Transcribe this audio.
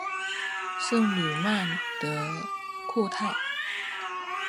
圣吕曼德库泰。